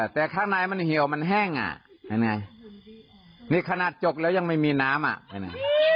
แต่ข้างในมันเหี่ยวมันแห้งอ่ะเป็นไงนี่ขนาดจกแล้วยังไม่มีน้ำอ่ะ